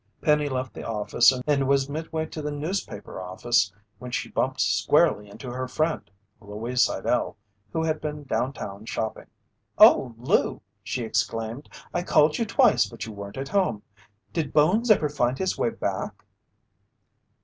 Penny left the office and was midway to the newspaper office when she bumped squarely into her friend, Louise Sidell, who had been downtown shopping. "Oh, Lou!" she exclaimed. "I called you twice but you weren't at home. Did Bones ever find his way back?"